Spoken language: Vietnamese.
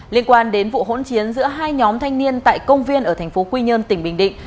liên quan đến vụ hỗn chiến giữa hai nhóm thanh niên tại công viên ở thành phố quy nhơn tỉnh bình định